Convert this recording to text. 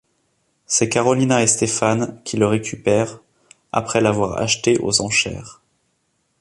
C'est Carolina et Stéphane qui le récupèrent, après l'avoir acheté aux enchères.